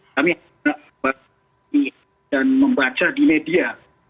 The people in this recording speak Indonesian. kami tidak membaca di media